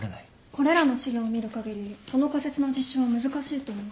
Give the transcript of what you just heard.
これらの資料を見るかぎりその仮説の実証は難しいと思う。